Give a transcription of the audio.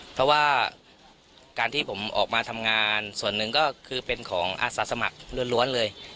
เพราะว่าการที่ผมออกมาทำงานส่วนหนึ่งก็คือเป็นของอาสาสมัครล้วนเลย